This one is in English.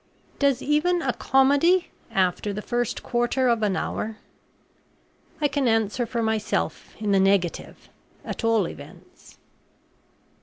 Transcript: Does even a comedy, after the first quarter of an hour? I can answer for myself in the negative, at all events."